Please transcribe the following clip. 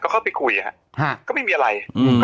เข้าไปคุยฮะก็ไม่มีอะไร